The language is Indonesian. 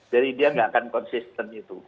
jadi dia gak akan konsisten itu